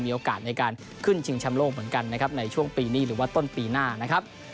โอกาสในการขึ้นชิงชำโลกเหมือนกันนะครับในช่วงปีนี้หรือว่าต้นปีหน้านะครับ